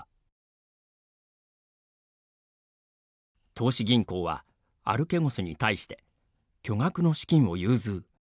投資銀行はアルケゴスに対して巨額の資金を融通。